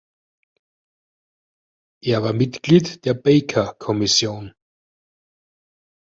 Er war Mitglied der Baker-Kommission.